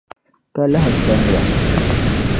Ka lahi n-sɔŋ ba.